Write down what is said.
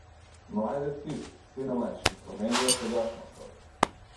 Но ајде ти, сине мајчин, промени ја сегашноста!